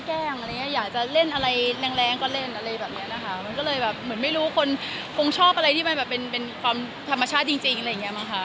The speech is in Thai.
แกล้งก็แกล้งหรืออยากจะเล่น